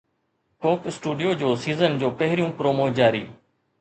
ڪوڪ اسٽوڊيو جو سيزن جو پهريون پرومو جاري